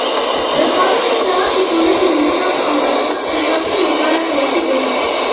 د قانون اطاعت د ټولنې د نظم او عدالت د ساتلو لپاره حیاتي دی